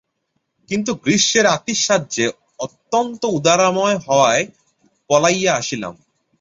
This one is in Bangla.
কিন্তু গ্রীষ্মের আতিশয্যে অত্যন্ত উদরাময় হওয়ায় পলাইয়া আসিলাম।